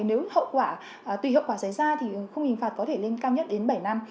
nếu hậu quả tùy hậu quả xảy ra thì không hình phạt có thể lên cao nhất đến bảy năm